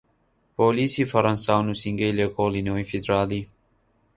پۆلیسی فەرەنسا و نوسینگەی لێکۆڵینەوەی فیدراڵی